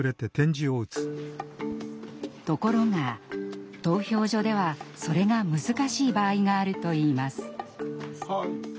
ところが投票所では、それが難しい場合があるといいます。